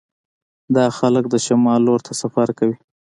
دا خلک د شمال لور ته سفر کوي